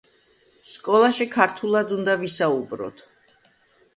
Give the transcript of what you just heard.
სკოლაში ქართულად უნდა ვისაუბროთ!